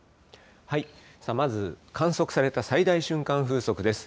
まず、観測された最大瞬間風速です。